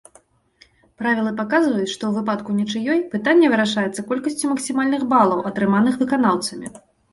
Правілы паказваюць, што ў выпадку нічыёй, пытанне вырашаецца колькасцю максімальных балаў, атрыманых выканаўцамі.